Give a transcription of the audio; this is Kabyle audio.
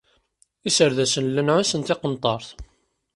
Iserdasen llan ɛussen tiqenṭert.